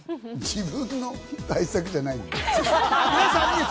自分の対策じゃないんだ。